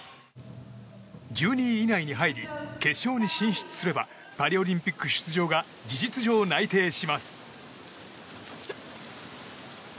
１２位以内に入り決勝に進出すればパリオリンピック出場が事実上内定します。